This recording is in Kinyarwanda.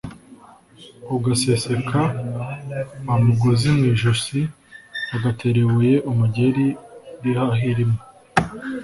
ugaseseka wa mugozi mu ijosi, ugatera ibuye umugeri rihahirima